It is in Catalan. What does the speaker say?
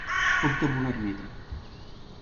Compta amb una ermita.